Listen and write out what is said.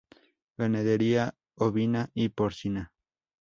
Ganadería ovina y porcina.